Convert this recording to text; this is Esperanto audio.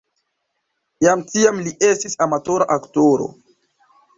Jam tiam li estis amatora aktoro.